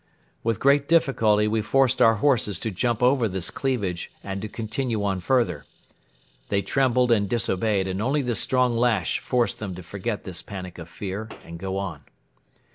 With great difficulty we forced our horses to jump over this cleavage and to continue on further. They trembled and disobeyed and only the strong lash forced them to forget this panic of fear and go on.